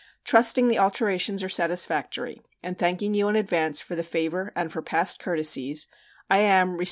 Trusting the alterations are satisfactory, and thanking you in advance for the favor and for past courtesies, I am, Resp.